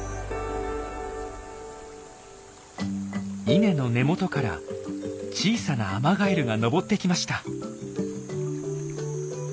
稲の根元から小さなアマガエルが登ってきました。